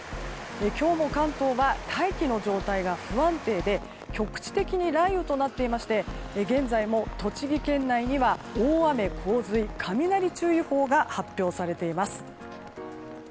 今日も関東は大気の状態が不安定で局地的に雷雨となっていまして現在も栃木県内には大雨・洪水・雷注意報が発表されています。